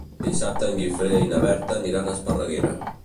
Dissabte en Guifré i na Berta aniran a Esparreguera.